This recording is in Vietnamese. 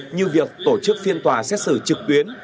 như việc tổ chức phiên tòa xét xử trực tuyến